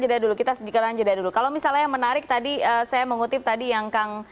jeda dulu kita sedikit jeda dulu kalau misalnya yang menarik tadi saya mengutip tadi yang kang